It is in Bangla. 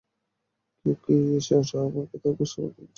কেউ কি এই অসহায় মাকে তার বাসায় পৌঁছে দিয়ে আসতে পারবেন না?